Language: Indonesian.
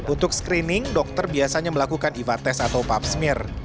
untuk screening dokter biasanya melakukan iva tes atau papsmir